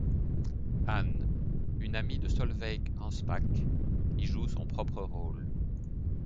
Anne, une amie de Sólveig Anspach, y joue son propre rôle.